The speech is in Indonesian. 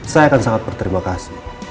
saya akan sangat berterima kasih